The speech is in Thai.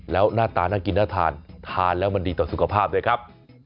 แล้วหน้าตาน่ากินน่าทานทานแล้วมันดีต่อสุขภาพด้วยครับ